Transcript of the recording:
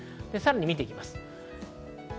さらに見ていきます。